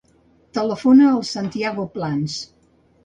Telefona al Santiago Plans.